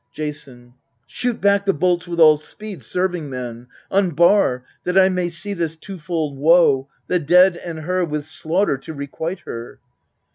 Jason. Shoot back the bolts with all speed, serving men ! Unbar, that I may see this twofold woe The dead, and her, with slaughter to requite her.